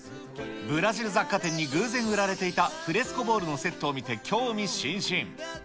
ブラジル雑貨店に偶然売られていたフレスコボールセットを見て興味津々。